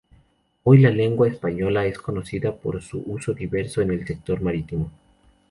Hoy la Laguna española es conocida por su uso diverso en el sector marítimo.